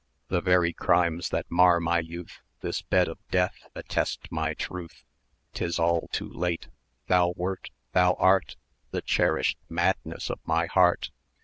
The very crimes that mar my youth, This bed of death attest my truth! 'Tis all too late thou wert, thou art 1190 The cherished madness of my heart!